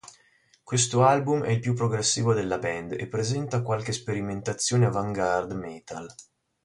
Questo album è il più progressivo della band e presenta qualche sperimentazione Avantgarde metal.